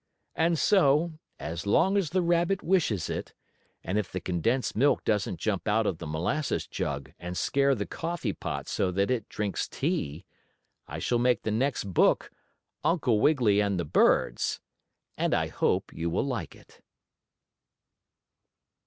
And so, as long as the rabbit wishes it, and if the condensed milk doesn't jump out of the molasses jug and scare the coffee pot so that it drinks tea, I shall make the next book "Uncle Wiggily and the Birds," and I hope you will like it.